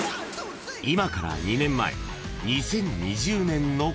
［今から２年前２０２０年の言葉］